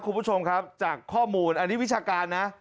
คุณผู้ชมครับจากข้อมูลอันนี้วิชาการนะ